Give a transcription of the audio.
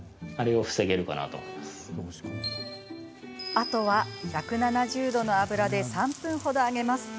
あとは、１７０度の油で３分程揚げます。